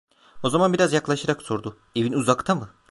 O zaman biraz yaklaşarak sordu: "Evin uzakta mı?"